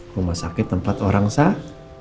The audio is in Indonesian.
rumah sakit tempat orang sah